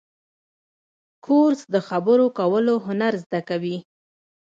کورس د خبرو کولو هنر زده کوي.